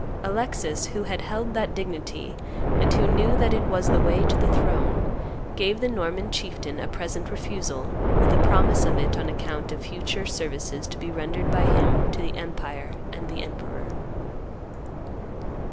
Alexis, who had held that dignity and who knew that it was the way to the throne, gave the Norman chieftain a present refusal, with a promise of it on account of future services to be rendered by him to the empire and the emperor.